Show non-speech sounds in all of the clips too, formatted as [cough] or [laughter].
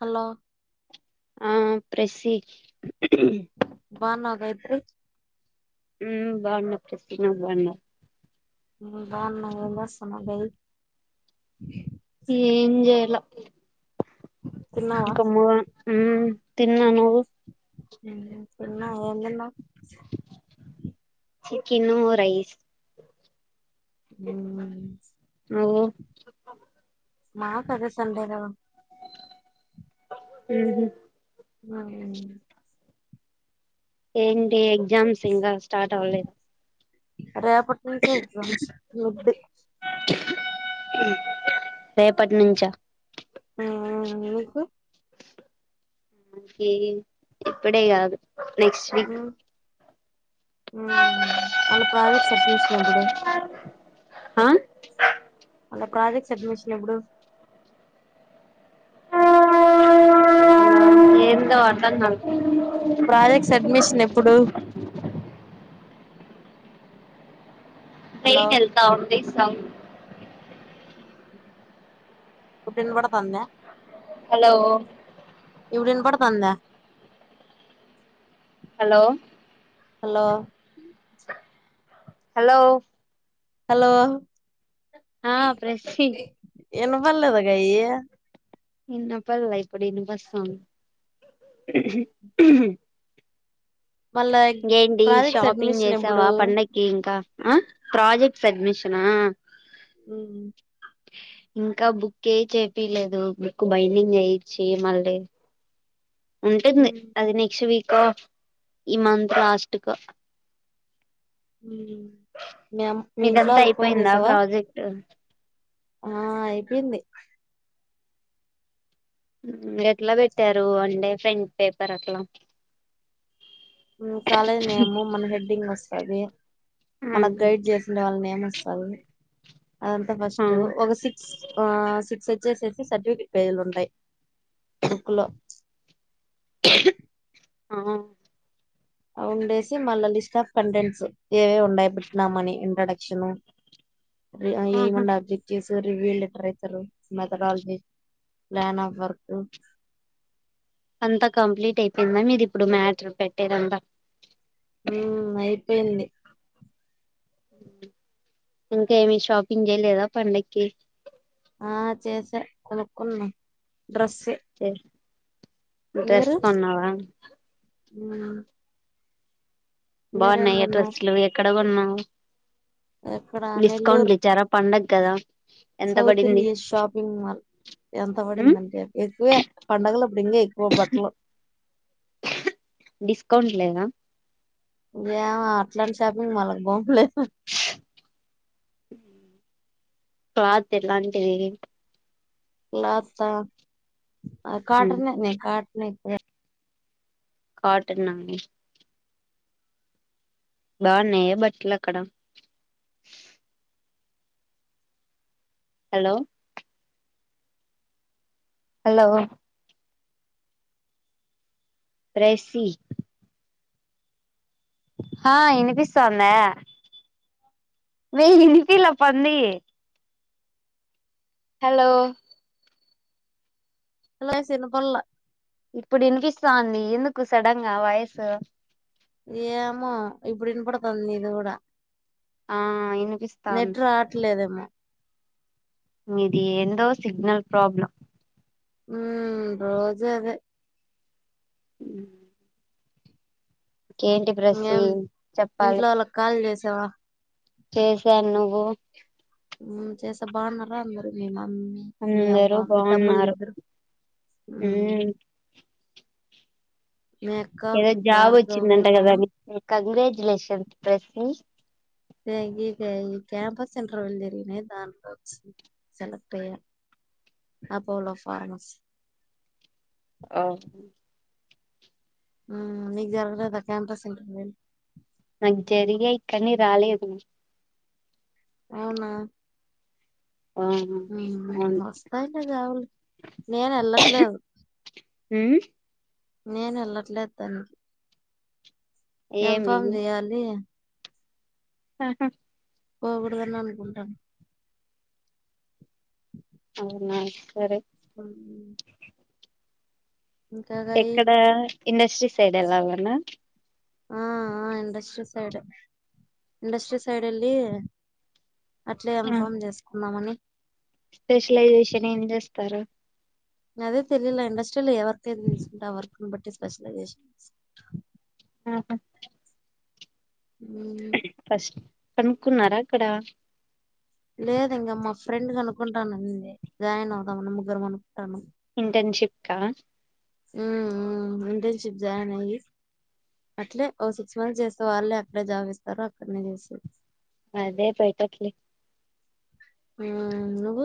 Hello ఆ ప్రెసి బాగున్నావ్ కదా ఇప్పుడు ఉ బాగున్నా ప్రస్ నా బాగున్నా ముందా నేల సమదై ఏమో చేయాలో తిన్నావా కామంగా కమ్ము తిన్నాన్నా నువవు అందన్నా చికెన్ రైస్ ఉ మ ఓ మా కదే సండేద ఊహుం అ [inaudible] ఏంగ్డి ఏండి ఎ జామ్స్ ఇంకా స్టార్ట్ అవ్వలేదు రేపటి నుంచే ముది ఉమ్ రేపటి నుంచ ఎందుకు అక ఇప్పుడే కాదు నెక్స్ట్ వీక్ మ్మ్ వాళ్ళ కాలేజ్ సడ్మిషన్ ఎప్పుడు ఆ అలా ప్రాజెక్ట్ సడ్మిషన్ ఎప్పుడు హలో ఏందో అర్థం కాలే ప్రాజెక్ట్ సడ్మిషన్ ఎప్పుడు హలో ట్రైన్ ఎళ్తా ఉంది సిప్ సౌండ్ ఇప్పుడు ఇనాపాద్తంద హలో ఇప్పుడు ఇనాపాద్తంద హలో హలో హలో హలో ఆ ప్రెస్సి ఇనపడలేద గాయి అ ఇన్నప్పలె ఇప్పుడు వినిపిస్తుంది మళ్ళా ఏంటి ప్రాజెక్ట్ షాపింగ్ అడ్మిషన్ ఎప్పుడు చేసావా పండక్కి ఇంకా ఆ ప్రజెక్ట్ సడ్మిషనా మ్మ్ ఇంకా బుకే చేపిలేదు బుక్ బైండింగ్ చేయిచ్చి మళ్ళీ ఉంటుంది ఉమ్ అది నెక్ట్ వీక్ ఆ ఈ మంత్ లాస్టకు మేమ్ మీ ఇంట్లో మీదంతా వాళ్లకు ఫోన్ అయిపోయిందా చేసావా ప్రాజెక్ట్ ఆ అయిపోయింది ఎట్లా పెట్టారు అంటె ఫ్రంట్ పేపర్ అట్లా మ్మ్ కాలేజ్ నేమ్ మన హెడ్డింగ్ వస్ పదే మనకు గైడ్ జేసిన వాళ్ళని ఏమ్ [unintelligible] అదంతా ఆ ఫస్ట్ ఒక సిక్స్ ఆ సిక్స్ ఐ చేసేటి స్సర్టిఫికేట్ పేలు ఉంటాయి బుక్ లో ఆ ఉండేసి మళ్ళ లిస్ట్ ఆఫ్ కంటెంట్స్ ఏవేవ్ ఉండయి బట్టన్నామని ఇంట్రొడక్షను ఆహా ఏమండ objectives view literature methodology plan of work అంతా కంప్లీట్ అయిపోయింది అని ఇది ఇప్పుడు మ్యాటర్ పెట్టడం అయిపోయింది ఇంకా ఏమి షాపింగ్ చేయలేదా పండగకి ఆ చేసా కొనుక్కున్నా డ్రాసే డ్రెస్ కొన్నావా ఉ బాగున్నాయి ఎ డ్రెస్సులు ఎక్కడ ఎడ కొన్నావు ఇక్కడ డిస్కౌంట్ నెల్లూరు ఇచ్చార పండగ్ కదా ఎంత సౌత్ పడింది ఇండియా షాపింగ్ మాల్ ఎంత ఉమ్ పడిందంటే ఎక్కువే పండగలు డింగ ఎక్కువ బట్టలు అకౌంట్ లేదా గా అట్లాంటి షాపింగ్ మాలకు బోమ్ లే [unintelligible] క్లాత్ ఎలాంటిది క్లాత్ ఆ ఆ ఉమ్ కాటన్ నే కాట్నయితే కాటన్ నాయి బాగున్నాయ బట్టలు అక్కడ హలో హలో రేసి ఆ ఇనిపిస్తందా వెయ్యి ఇనిపియలే పోండి హలో హలో ఆస్ ఇనపళ్ళ ఇప్పుడు వినిపిస్తాంది ఎందుకు సడంగా వాయిస్ ఏమో ఇప్పుడు ఇనపడుతంది ఇది కూడా ఆ వినిపిస్తాంది నెట్ రావట్లేదేమో మీది ఎందో సిగ్నల్ ప్రాబ్లం ఉ రోజు అదే ఉ కేంటి బ్రస్ఈ చెప్పాలి త చేషా నువ్వు ఉ చేస బాగున్నారా అందరు నేను అందరూ బాగున్నారు ఉ మ్మ్ మీ అక్క ఏదో జాబ్ భార్గవ్ వచ్చిందంట మామ కదా మీ మా కంగ్రజు లెసన్ ప్రస్సి ఈక ఈ క్యాంపస్ ఇంటర్వ్యూ జరిగేనే ధాంట్లో లోకి సెలెక్ట్ అయ్యాను అపోలో ఫార్మసీ. ఓ ఊ నీకు జరగలేదా క్యాపస్ ఇంటర్వ్యూ జరిగాయి కానీ రాలేదు. అవునా అవును ఉ హు అవును వస్తాయిలె జాబులు నేను వెళ్లట్లేదు. ఊ నేను వెళ్ళట్లేదు దానికి ఏమి ఎంఫం చేయాలి ఆహా పోకూడదని అనుకుంటాను. అవునా సరే అ ఎక్కడ ఇండస్ట్రీ సైడ్ ఎల్లలన? ఆ ఆ ఇండస్ట్రీ సైడ్, ఇండస్ట్రీ సైడ్ ఎల్లి అట్లే ఆ ఎంఫ్మ్ చేసుకున్నామని స్పెషలైజేషన్ ఏం చేస్తారు? అదే తెలిలే ఇండస్ట్రీ లే ఎవరికైనా తీసుకుంటే వరకు బట్టటి స్పెషలైజేషన్స్ ఆ ఉ హ కనుక్కున్నారా అక్కడ లేదు ఇంకా మా ఫ్రెండ్ కనుకుంటాననింది, జాయిన్ అవుదాం ముగ్గరం అనుకుంటాను. ఇంటర్న్షిప్ క మ్మ్ మ్మ్ ఇంటర్న్షిప్ జాయిన్ అయ్యి, అట్లే ఓ సిక్స్ మంత్స్ చేస్తే, వాళ్ళే అక్కడే జాబ్ ఇస్తారో అక్కడనే చేసే అదే బెటర్లే ఆ నువ్వు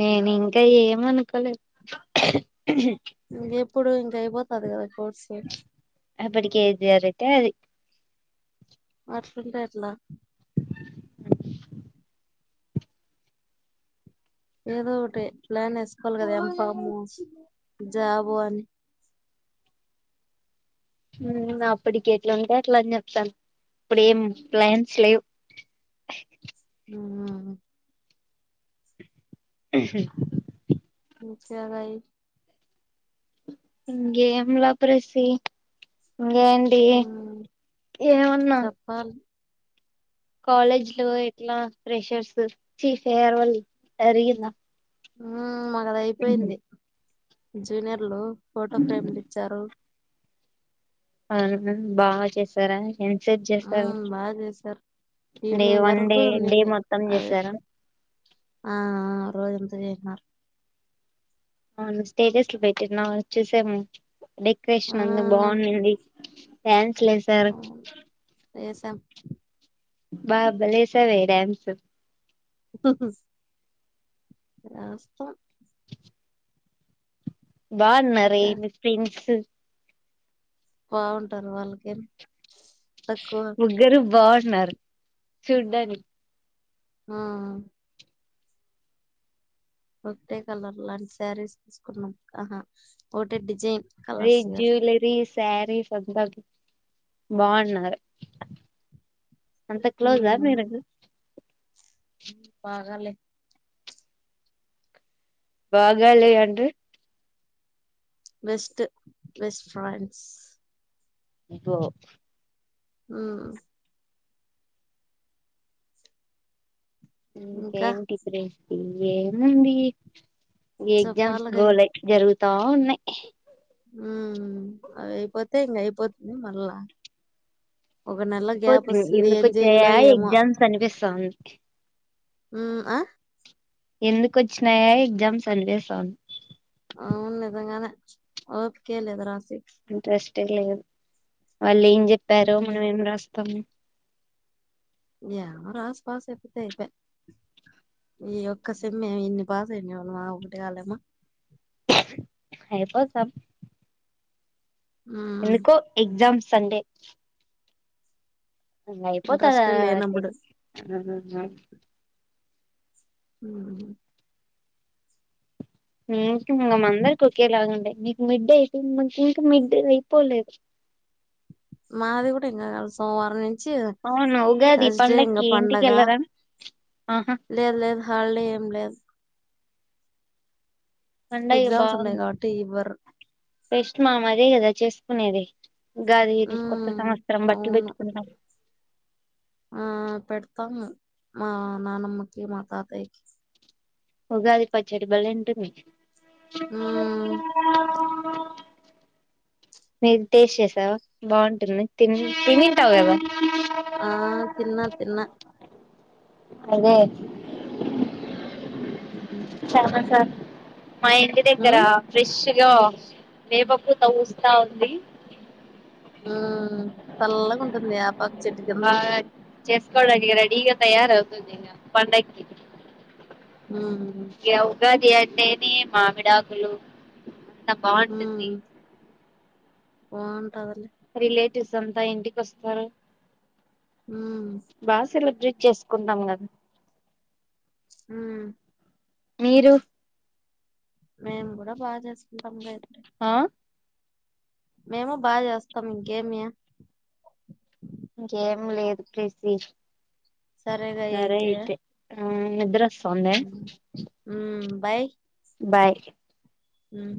నేను ఇంకా ఏమ అనుకోలేదు. ఇంకెప్పుడు ఇంక అయిపోతది కదా ఇ సేఫ్ కేజిర అయితే అది వర్షంటట్లా ఏదో ఒకటి ప్లాన్ వేసుకోవాలి. కదా ఎంఫము జాబు అని. అప్పటికి ఎట్లా ఉంటే అట్లా అని చెప్తాను, ఇప్పుడు ఏం ప్లాన్స్ లేవు. ఉ ఆ [unintelligible] నిచ్చ భయి [unintelligible] ఇంకేంల ప్రెసి ఇంకేంటి ఉమ్, ఏమన్నా చెప్పాలి కాలేజ్ లో ఎట్లా ప్రెషర్స్ చీ ఫేర్వాల్ జరిగిందా హూ మాకది అయిపోయింది జూనియర్లు ఫోటో ఫ్రేమ్లు ఇచ్చారు అవునా ఫ్రెండ్ బా చేసారా ఎంతసేపు ఆ చేసారు బాగా చేసారు డే ఈవినింగ్ వన్ వరకు డే డే ఉండింది మొత్తం అదే చేసారా ఆ ఆ రోజంతా చేసిన అవును స్టేటస్ లో పెట్టినవ్ చూసాము డెకరేషన్ అందు మ్మ్ బాగుండింది థ్యాంస్లే సార్ అవును చేసాం బా భలే సావే డాన్స్ ఏస్తాం బాగున్నారే ఇంకా మీ ఫ్రెండ్స్ బాగుంటారు వాళ్ళకేం తక్కువ ముగ్గరు బాన్ న్నార్ చుడ్డాని ఆ ఒకటె కలర్ లాంటి శారీస్ తీసుకుందాం ఆ హా ఒటె డి అరే జ్యూలరీ సారీ సంతా కి బాగున్నారు అంత క్లోజా మీరగ బాగలే బాగాలే అండీ వెస్ట్ వెస్ట్ ఫ్రాన్స్ ఇపో మ్మ్ ఇంకా ఏంటిి క్రై ఇయ్యేదండీ ఈ ఎగ్జామ్స్ చెప్పాలి గయి గోలే జరుగ్ తా ఉన్నాయి ఉమ్ అవి అయిపోతే ఇంగ అయిపోతుంది మల్లా అ పోతుంది ఎందుకు వచ్చే ఏమో ఎగ్జామ్స్ కనిపిస్తాంది కీ ఉమ్ ఆ ఎందుకు వచ్చినాయా ఎగ్జామ్స్ అనిపిస్తుంది అవును నిజంగానే ఓకే లేదురా ఇంట్రెస్ట్ ఎక్కులేరు వాళ్ళు ఏం చెప్పారు ఉమ్ మనం ఏం రాశాం తమే యా క్లాస్ పాస్ అయిపోతే అయిపాయే ఈ యొక్క సేమ్ ఇన్ని పాస్ అవ్వలేమా ఒకటి కాలమా హా పోసం ఉమ్ ఎందుకో ఎక్జామ్స్ సండే అట్లయిపోతదా ఇంట్రెస్ట్ లేనప్పుడు హ హా హమ్ నీకు ఇంకా మన అందరికి ఒకే లాగా ఉండే నీకు మిడ్డి అయితే ఇంకా మిడ్డి డే అయిపోలేదు మాది కూడా ఇంకా సోమవారం ను అవును ఉగాది థర్డ్ ఇంకా పండక్కి పండగ ఇంటికెళ్ళరా ఆహా లేదు లేదు హాలిడే ఏం లేదు ఎగ్జామ్స్ ఉన్నాయి కాబట్టి ఇవ్వరు ఫెస్ట్ మానామ్ అదే కదా చేసుకునేది గాది కొత్త ఉమ్ సంవత్సరం బట్టలు అవును పెట్టుకున్నాం ఆ పెడతాము మా నానమ్మకి మా తాతయ్యకి ఉగాది పచ్చడి భలే ఉంటది మ్మ్ మీరు టేస్ట్ చేసారా బాగుంటుంది తినుంటావు కదా ఆ తిన్నా తిన్నా అదే చాలా సార్ మా ఇండ్ దగ్గర మ్మ్ ఫ్రెష్ గా వేప పూత పూస్తా ఉంది ఉ చల్లగా ఉంటుంది ఆ వేప చెట్టు కింద చేస్కోగ రెడిగ తయారవుతుంది ఇగ పండకి మ్ ఉగాది అంటేనీ మామిడాకులు అంత బాగుంటుంది పోన్ అవును స్ అంతా ఇంటికి వస్తారు మ్మ్ బ సెలెబ్రేట్ చేసుకుంటాం కదా మ్ మీరు మేము కూడా బాగా చేస్ బంగా [unintelligible] ఆ మేము బాగా చేస్తాం ఇంకేమి ఇంకా ఏం లేదు ప్రీసి సరేగా సరే అయితే ఆ నిద్రొస్తుందా బాయ్ బాయ్ మ్